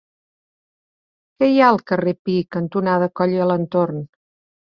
Què hi ha al carrer Pi cantonada Coll i Alentorn?